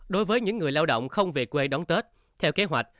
đối với những người lao động không về quê đón tết theo kế hoạch